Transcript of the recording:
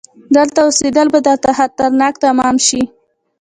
دلته اوسيدل به درته خطرناک تمام شي!